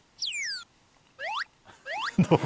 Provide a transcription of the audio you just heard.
どう？